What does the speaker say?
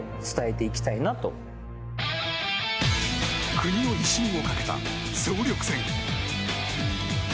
国の威信をかけた総力戦。